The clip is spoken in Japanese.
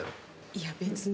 いや別に。